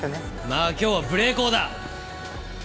まあ今日は無礼講だ。